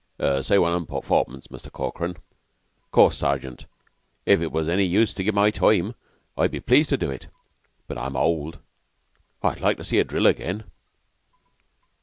"Say one an' fourpence, Muster Corkran... Of course, Sergeant, if it was any use to give my time, I'd be pleased to do it, but I'm too old. I'd like to see a drill again."